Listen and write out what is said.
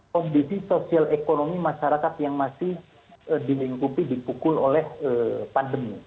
kondisi sosial ekonomi masyarakat yang masih dilingkupi dipukul oleh pandemi